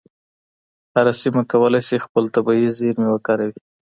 هره سیمه کولای سي خپل طبیعي زیرمې وکاروي.